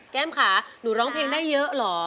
แก้มขาหนูร้องเพลงได้เยอะเหรอ